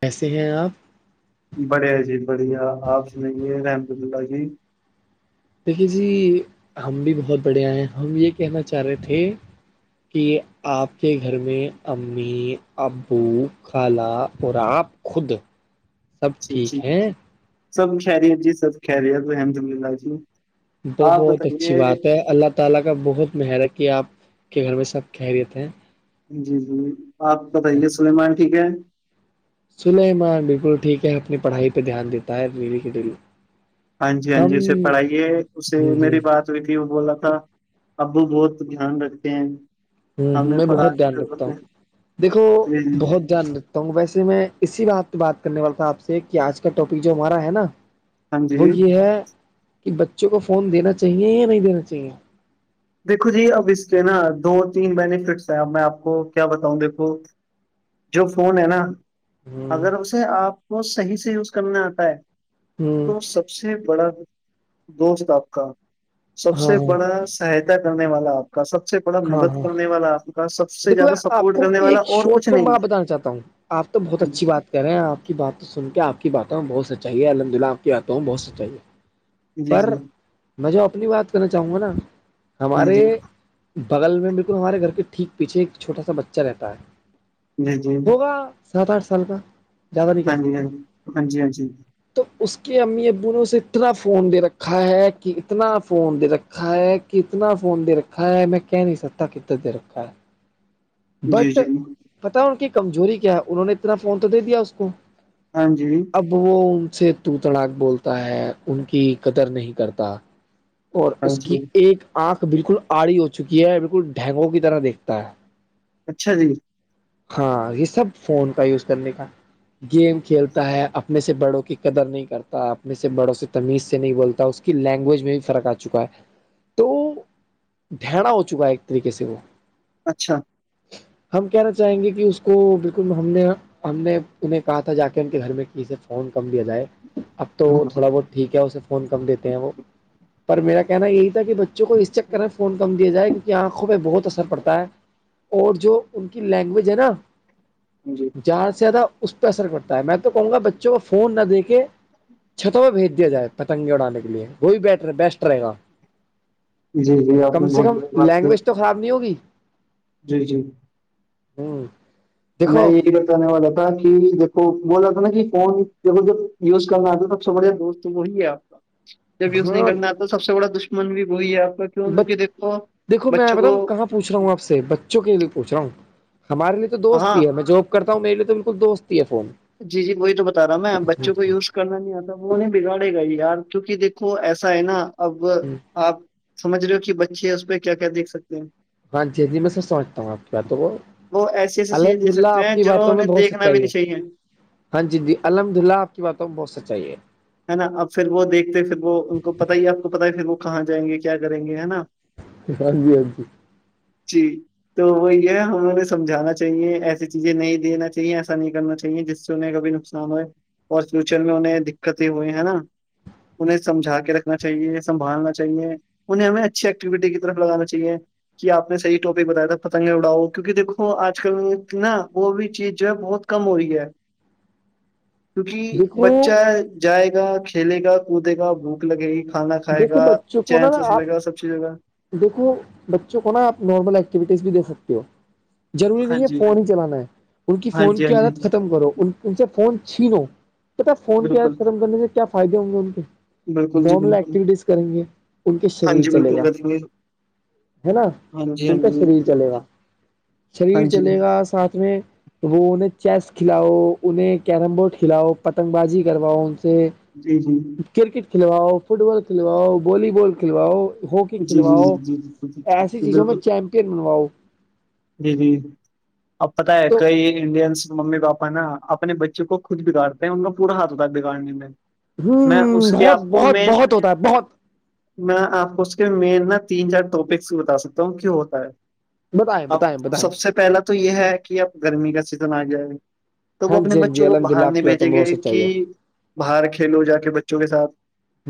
کیسے ہیں آپ بڑھیا جی بڑھیا آپ سنائیے رحمددلہ جی دیکھیے جی ہم بھی بہت بڑھیا آئے ہیں ہم یہ کہنا چاہ رہے تھے کہ آپ کے گھر میں امی ابو خالہ اور آپ خود سب اچ اچی ٹھیک ہیں سب خریت جی سب خری ہےت الحمد اللہ جی آپ بہت اچھی بتائیے بات ہے اللہ تعالی کا بہت مہارت کی آپ کے گھر میں سب خاریت ہیں جی جی آپ بتائیے سلیمان ٹھیک ہے سلیمان بالکل ٹھیک ہے اپنی پڑھائی پہ دھیان دیتا ہے ڈیلی کی دل ہاں جی ہاں جی اسے پڑھائیے اسے ہ ہ میری بات ئی تھی وہ بولا تھا ابو بہت دھیان رکھتے ہیں ہوں ہ ہمیں میں پڑھا بہت دھیان رکھتا ہوں ہیں۔ دیکھو بہت دھیان رکھ تو ویسے میں اسی بات پہ بات کرنے والا تھا آپ سے کہ آج کا ٹاپک جو ہمارا ہے نا ہاں جی وہ یہ ہے کہ بچوں کو فون دینا چاہیے یا نہیں دینا چاہیے دیکھو جی اب اس کے نا دو تین بینفٹس ہیں اب میں آپ کو کیا بتاؤں دیکھو جو فون ہے نا ہوں اگر اسے آپ کو صحیح سے یوز کرنا آتا ہے تو ہاں سب سے بڑا دوست آپ کا سب ہاں سے بڑا سہاتا کرنے والا آپ آ کا سب سے بڑا ہاں مدد ہاں کرنے والا آپ کا سب سے دیکھو میں زیادہ آپ سپورٹ کو کرنے والا ایک اور شارٹ کچھ فارم نہیں ہے میں بتانا چاہتا ہوں آپ تو بہت اچھی بات ہے کریں آپ کی بات تو سن کے آپ کی باتوں بہت سچائی ہے الحمد للہ آپ کی باتوں بہت سچائی ہے جی پر جی میں جو اپنی بات کرنا چاہوں گا نا ہاں ہمارے جی بغل میں بالکل ہمارے گھر کے ٹھیک پیچھے ایک چھوٹا سا بچہ رہتا ہے جی جی ہوگا سات آٹھ سال کا زیادہ نہیں ہاں کہہ جی ہ سکتا ہاں جی ہاں جی تو اس کے امی ابو نے اسے اتنا فون دے رکھا ہے کہ اتنا فون دے رکھا رکھا ہے کتنا فون دے رکھا ہے میں کہ نہیں ستا کت د رکھا ہے جی جی بٹ جی پتا ان کی کمزوری کیا ہے انہوں نے اتنا فون تو دے دیا اس کو ہاں جی اب وہ ان سے تو تڑاک بولتا ہے ان کی قدر نہیں کرتا اور ہاں اس کی جی ایک آنکھ بالکل آڑی ہو چکی ہے بالکل ڈھینگوں کی طرح دیکھتا ہے اچھا جی ہاں یہ سب فون کا یوز کرنے کا گیم کھیلتا ہے اپنے سے بڑوں کی قدر نہیں کرتا اپنے سے بڑوں سے تمیز سے نہیں بولتا اس کو لینگویج میں بھی فرق آ چکا ہے تو ڈھیڑا ہو چکا ہے ایک طریقے سے وہ اچھا [inaudible] ہم کہنا چاہیں گے کہ اس کو بالکل ہم نے ہم نے انہیں کہا تھا جا کے ان کے گھر میں کی صرف فون کم دیا جائے اب تو تھوڑا بہت ٹھیک ہے اسے فون کم دیتے ہیں وہ پر میرا کہنا یہی تھا کہ بچوں کو اس چ کریں کم دیا جائے کیونکہ آنکھوں پہ بہت اثر پڑتا ہے اور جو ان کی لینگویج ہے نا جی زیادہ سے زیادہ اس پہ اثر پڑتا ہے میں تو کہوں گا بچوں کو فون نہ دے کے چھتوں پہ بھیج دیا جائے پتنگ اڑانے کے لیے وہی بیٹر بیسٹ رہے گا جی جی آپ کم نے سے بہت کم بڑی بات کی لینگویج تو خراب نہیں ہوگی جی جی [unintelligible] [unintelligible] دھن واد ہوتا تھا کہ دیکھو بول رہاتا نا کہ فون ج جب یوز کرنا آتا سب سے بڑھیا دوست وہی ہے آپ [inaudible] [unintelligible] جب یوز نہیں کرنا آتا سب سے بڑا دشمن بھی وہی ہے آپ کا کیوں کیونکہ دیکھو بچوں کو پوچ رہا ہوں آپ سے بچوں کے لیے پوچھ رہا ہوں ہمارے لیے تو دوست ہاں ہی ہے میں جو کرتا ہوں میرے تو بالکل دوست ہی ہے فون جی جی وہی تو بتا رہا ہ میں بچوں کو یوز کرنا نہیں آتا وہ انہیں بگاڑے گا یار کیونکہ دیکو ایسا ہے نا اب آپ سمجھ رہے ہو کہ بچے اس پہ کیا کیا دیکھ سکتے ہیں ہاں جیجا جی میں سب سمجھتا ہوں آپ کی باتوں کو وہ ایسی ایسی چیزیں الحمد دیکھ للہ سکتے آپ ہیں کی جو باتوں میں انہیں بہت دیکھنا بھی سچائی نہیں چاہیے ہے ہاں جی جی الحمد للہ آپ کی باتوں بہت سچائی ہے ہے نا اب پھر وہ دیکھتے پھر وہ ان کو پت ہی آپ کو پت ہے پھر وہ کہاں جائیں گے کیا کریں گے ہے نا ہاں جی ہاں جی جی تو وہی ہے ہمہیں سمجھانا چاہیے ایسی چیزیں نہیں دینا چاہیے ایسا نہیں کرنا چاہیے جس سے انہیں کبھی نقصان اور فیوچر میں انہیں دقتیں ہوئی ہے نا انہیں سمجھا کے رکھنا چاہیے سنبھالنا چاہیے انہیں ہمیں اچھی ایککٹیوٹی کی طرف لگانا چاہیے کہ آپ نے صحی ٹاپک بتایا تھا پتنگ اڑاؤ کیونکہ دیکو آج کل نا وہ بھی چیز جو ہے بہت کم ہورہی ہے [inaudible] کیونکہ دیکھو بچہ جائے گا کھیلے گا کودے گا بھی لگےگی کھانا کھائے دیکھو گا چین سے سویے گا سب چیزوں کا دیکو بچوں کو نا آپ نارمل ایکٹیوٹیز بھی دے سکتے ہو ضروری ہاں نہیں ہے جی فون ہی چلانا ہے ان کی ہاں فون جی کی ہاں جی عادت ختم کرو ان سے فون چھینو پتا فون کی بالکل یات ختم کرنے سے کیا فائدے ہوں گے ان کے بالکل جی نارمل ای بالکل ٹیز کریں گے ان کے ہاں شریر جی چلے بالکل گا کریں گے ہے نا ہاں جی ہاں ان کا جی شریر چلے گا ہاں شریر جی چلے گا ساتھ میں وہ انہیں چیس کھلاؤ انہیں کیرم بورڈ کھلاؤ پتنگ بازی کرواؤ ان سے جی جی کرکٹ کھلواؤ فٹ بال کھلواؤ والی بال کھلواؤ ہواکی جی جی کھلواؤ جی جی جی ایسی جی چیزوں میں بالکل چیمپئن بنواؤ جی جی اب پتتا ہے تو کئی انڈینس ممی پاپا نا اپنے بچوں کو خود بگاڑ انکا پورا ہاتھ ہوتا ہے بگاڑنے میں میں ہوں اس کے بہت آپ کو بہت مین بہت ہوتا ہے بہت میں آپ کو اس کے مین نا تین چار ٹاپکس بتا سکتا ہوں کیوں ہوتا ہے بتائیں اب بتائیں بتائیں سب سے پہلا تو یہ ہے کہ اب گرمی کا سیزن آ جائے گ تو وہ ہاں اپنے جی ہاں جی بچوں کو الحمد للہ باہر آپ نہیں کی بات بھیجیں میں گے بہت کہ سچائی ہے باہر کھیلو جا کے بچوں کے ساتھ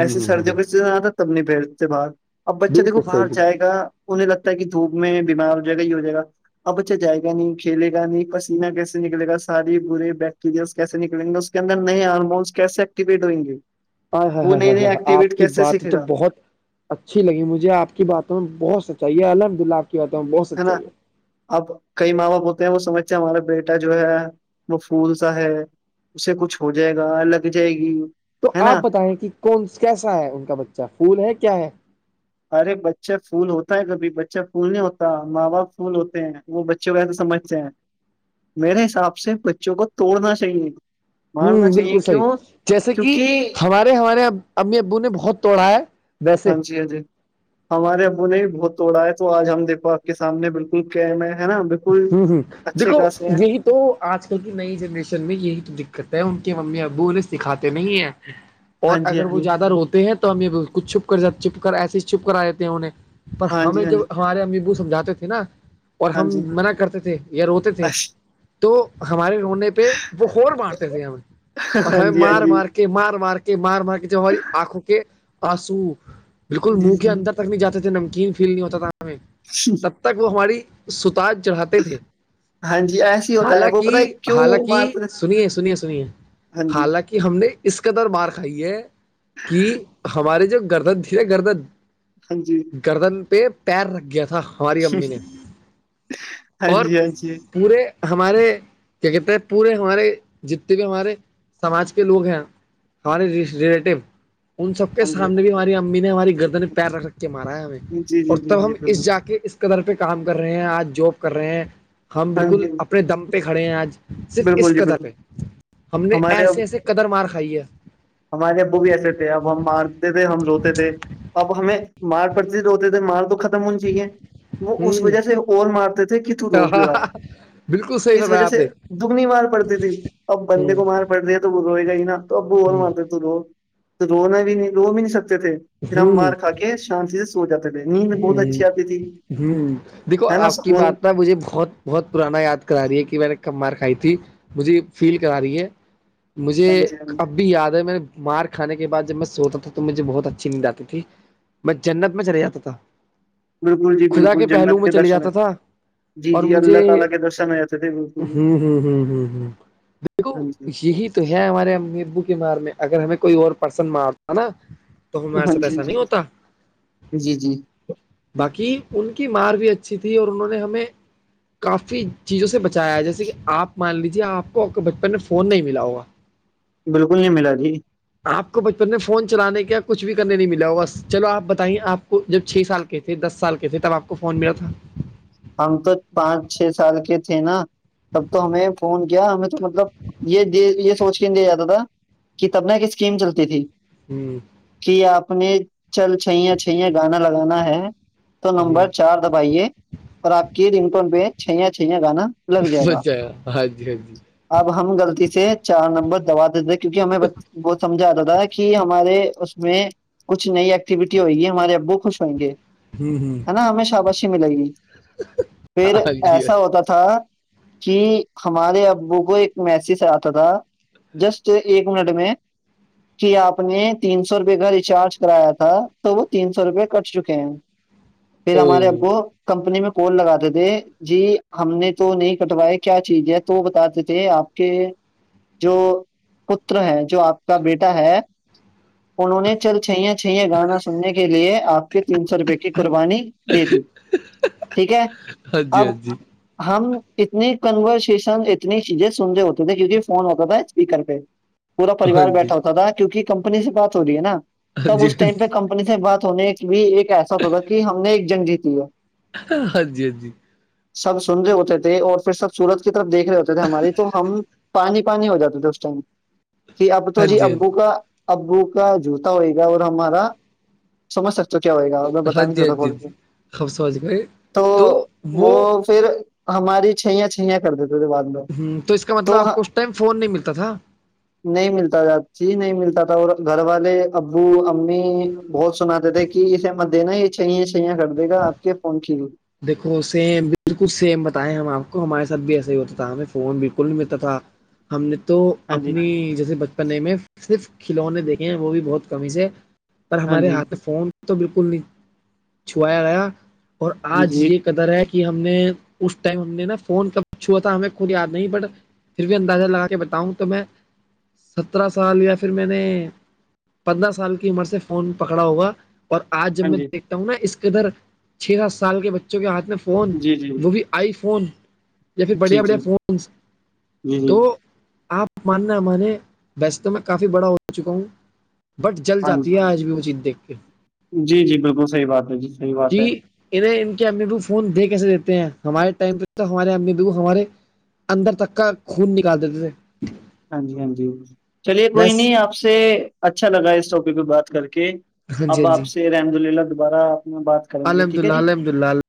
ایسے سردیوں کا سیزن آتا تب نہیں بھیجتے باہر اب بچہ دیکھو بالکل باہر صحیح جائے گا انہیں لگتا ہے کہ دھوپ میں بیمار ہو جائے گا یہ ہو جائے گا اب بچا جائے گا نہیں کھیل گا نہیں پینہ کیسے نکلے گا ساری برے بیکٹیریاز کیسے نکلیں گے اس کے اندر نئے ہارمونس کیسے ایکٹیویٹ ہووں گے ہاں ہ وہ ہ نئے نئے ہ آپ ایکٹیویٹ کی کیسے باتیں سیکھے تو گا بہت اچھی لگی مجھے آپ کی باتوں بہت سچائیے الحمد للہ آپ کی باتوں میں بہت ہے نا سچائیے اب کئی ماں باپ ہوتے ہیں وہ سمجھتے ہیں ہمارا بیٹا جو ہے وہ پھول سا ہے اس سے کچھ ہو جائے گا لگ جائے گی تو ہے آپ نا بتائیں کہ کون کیسا ہے ان کا بچہ پھول ہے کیا ہے ارے بچہ پھول ہوتا ہے کبھی بچہ پھول نہیں ہوتا ماں باپ پھول ہوتے ہیں وہ بچوں کیسے سمجھتے ہیں میرے حساب سے بچوں کو توڑنا چاہیے مارنا ہوں چاہیے بالکل صحیح کیوں جیسے کہ کیونکہ ہمارے ہمارے امی ابو نے بہت توڑا ہے ویسے ہاں جی ہ جی ہمارے ابو نے بھی بہت توڑا ہے تو آج ہم دیکو آپ کے سامنے بالکل قم ہے نا بکل ہوں ہوں دیکھو یہی تو آج کل کی نئی جنریشن میں یہی دقت ہے ان کے ممی ابو انہیں سکھاتے نہیں ہیں ہ ہاں اور جی اگر ہاں وہ جی زیادہ روتے ہیں تو ہمیں ک چھپ کر چھپ کر ایسے ہی چھپ کرا دیتے ہیں انہیں پر ہاں ہمیں جی ہاں جی جوب ہمارے امیبو سمجھاتے تھے نا اور ہاں ہم جی منع کرتے تھے یا روتے تھے اچھا، تو ہمارے رونے پہ پہ وہ ہو مارتے تھے ہم ہاں ہمیں جی ہاں مار جی مار کے مار مار کے مار مار کے تھے ہماری آنکھوں کے آنسو بالکل جی منہ کے اندر تک نہیں جاتے تھے نمکین فیل نہیں ہوتا تھا جی تب تک وہ ہماری ستاج چڑھاتے تھے ہاں جی ایسے ہی ہوتا ہے وہ حالانکہ پت کیوں حالکہ مارتے ہیں؟ سنیے سنیے سنیے ہاں جی حالکہ ہم نے اس قدر بار کھائی ہے کہ ہمارے جو گرددھی ہے گردد ہاں جی گردن پہ پیر رکھ گیا تھا ہماری امی نے جی ہاں اور ہاں جی پورے ہمارے کیا کہتے ہیں پورے ہمارے جتنے بھی ہمارے سماج کے لوگ ہیں ہماراری ریلیٹیو ان سب کے ہاں جی سامنے بھی ہماری امی نے ہماری گردن پیر رکھ رکھ کے مارا ہے ہمیں جی اور جی جی تب جی ہم اس بالکل جا کے اس طر پہ کام کر رہے ہیں آج جاب کر رہے ہیں ہم ہاں بالکل جی اپنے دم پہ کھڑے ہیں آج صرف اس بالکل جی قدر پہ بالکل ہم نے ہمارے ایسے ایسے قدر مار کھائی ہے ہمارے ابو بھی ایسے تھے اب ہم مارتے تھے ہم روتے تھے اب ہمیں مار پرتیت ہوتے تھے مارڑ تو ختم من جی ہے وہ اس ہوں وجہ سے اور مارتے تھے کہ تو رو کیوں لاے بالکل صحیح اس فرمایا وجہ آپ سے نے دگنی مار پڑتی تھی اب بندے کو مار پڑ رہ ہیں تو وہ روئے گا ہی نا تو اب وہ اور ہ مارتے تو رو تو رونا بھی نہیں رو بھی نہیں سکتے تھے فرم ہ مارکا کے شانس ہ ہ دیکھو ہے نا آپ کی سکون بات ن مجھے بہت بہت پرانا یاد کرا رہی ہے کہ میں نے کب مار کھائی تھی مجھے فیل کرا رہی ہے مجھے ہاں جی ہاں جی اب بھی یاد ہے میں نے مار کھانے کے بعد جب میں سوتا تھا تو مجھے بہت اچھی نیند آتی تھی میں جنت میں چلے جا تھا بالکل جی خدا بالکل پہلو جنت میں کے چلے درشن ہے جاتا تھا جی اور جی مجھے اللہ تعالی کے درشن میں جتے تھے بالکل بھ ہوں ہ ہ ہ ہ دیکھو ہاں جی یہی تو ہے ہمارے ابو کے مار میں اگر ہمیں کوئی اور پرسن مارتا نا تو ہمارے ہاں ساتھ جی ہاں ایسا نہیں جی ہوتا جی جی باقی ان کی مار بھی اچھی تھی اور انہوں نے ہمیں کافی چیزوں سے بچایا ہے جیسے کہ آپ مان لیجے آپ کو بچپن میں فون نہیں ملا ہوگا [inaudible] بالکل نہیں ملا جی آپ کو بچپن میں فون چلانے کیا کچھ بھی کرنے نہیں ملا ہو بس چلو آپ بتائیے آپ کو جب چھ سال کے تھے دس سال کے تھے تب آپ کو فون ملا تھا ہم تو پانچ چھ سال کے تھے نا تب تو ہمیں فون کیا ہمیں تو مطلب یہ د یہ سوچ کے نہیں دیا جاتا تھا کہ تبنا کی اسکیم چلتی تھی ہوں کہ آپ نے چل چھئیاں چھئیا گانا لگانا ہے تو ہ نمبر چار بھائیے اور آپ کی رنگٹون پہ چھیاں چھیا گانا لگ جائے گا مھایا ہاں جی ہاں جی اب ہم غلطی سے چار نمبر دبا دیتے کیونکہ ہمیں وہ سمجھا آتا تھا کہ ہمارے اس میں کچھ نئی ایکٹیویٹی ہوئے گی ہمارے ابو خوش ہوئیں گے ہوں ہوں ہے نا ہمیں شاباشی ملے گی ہ پھر ایسا ہوتا تھا کہ ہمارے ابو کو ایک میسیج آتا تھا جسٹ ایک منٹ میں کہ آپ نے تین سو روپے کا ریچارج کرایا تھا تو وہ تین سو روپے کٹ چکے ہیں [inaudible] پھر ہمارے اب ہوں کو کمپنی میں کول لگاتے تھے جی ہم نے تو نہیں کٹوایا کیا چیز ہے تو بتا دی تھے آپ کے جو پت ہے جو آپ کا بیٹا ہے انہوں نے چل چھیا چھیا گانا سننے کے لیے آپ کے تین سو روپے کی قربانی دے دی ٹھیک ہے ہاں جی او ہاں جی اب ہم اتنی کنورسیشن اتنی چیزیں سن رہ ہوتے تھے کیونکہ فون ہوتا تھا اسپیکر پہ ہاں پوراریوار جی بیٹھا ہوتا تھا کیونک کمپنی سے بات ہو رہی ہے نا تب اس ٹائم پہ کمپنی اپنے سے بات ہونے بھی ایک ایسا ہوگا کہ ہم نے ایک جنگ جیتی ہے ہاں جی ہاں جی سب سن رہے ہوتے تھے اور پھر سب سورت کی طرف دیکھ رہے ہوتے تھے ہماری تو ہم پانی پانی ہو جاتا تو اس ٹائم کہ اب تو جی ابو کا ابو کا جوتا ہوئے گا اور ہمارا سمج سکتے ہو کیا ہوئے گا ا بتا نہیں چتا ب خب سوچ گئے تو وہ پھر ہماری چھیاں چھئیاں کر دیتے تھ بع ہوں تو اس کا مطلب آپ کو اس ٹائم فون نہیں ملتا تھا نہیں ملتا تھا جی نہیں ملتا تھا اور گھر والے ابو امی بہت سناتے تھے کہ اسے مت دینا یہ چھ چھیا کر دے گا آپ کے فن کھی دیکھو سیم بالکل سیم بتائیں ہم آپ کو ہمارے ساتھ بھی ایسا ہی ہوتا تھا ہمیں فون بالکل نہیں ملتا تھا ہم نے تو ہاں جی اپنی جیسے بچپنے میں صرف کھلونے دیکھے ہیں وہ بھی بہت کم ہی سے پر ہاں ہمارے جی ہاتھ میں فون تو بالکل نہیں چھویا گیا اور جی آج جی یہ قدر ہے کہ ہم نے اس ٹائم ہم نے نا فون ک چھا تھا ہمیں خود یاد نہیں بٹ پھر بھی اندازہ لگا کے بتاؤں تو میں سترہ سال یا پھر میں نے پندرہ سال کی عمر سے فون پکڑا ہوگا اور آج جب ہاں میں جی دیکھتا ہوں نا اس کےدھر چھ سات سال کے بچوں کے ہاتھ میں فون جی جی وہ بھی آئی فون یا پھر جی بڑھیا بڑھیا جی فونس جی جی تو آپ آپ ماننا ہے ہمے ویسے تو میں کافی بڑا ہو چکا ہوں بٹ جل ہاں جی جاتی ہے آج بھی وہ چیز دیکھ کے جی جی بالکل صحی بات ہے جی صحی بات کہ ہے انہیں ان کے امی ببو فون دے کیس دیتے ہیں ہمارے ٹائم پہ ہمارے امی ببو ہمارے اندر تک کا خون نکال دیتے تھے ہاں جی ہاں جی چلیے کوئی بس نہیں آپ سے اچھا لگا اس ٹاپک پہ بات کر کے ہاں جی اب ہاں جی آپ سے الحمد للہ دوبارہ آپ نے بات کریں گے الحمد ٹھیک ہے للہ جی الحمد للہ